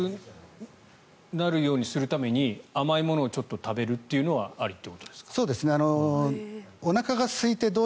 じゃあ眠くなるようにするために甘いものをちょっと食べるというのはありということですか？